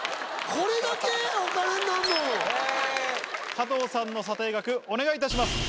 佐藤さんの査定額お願いいたします。